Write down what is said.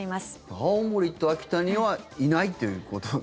青森と秋田にはいないということ。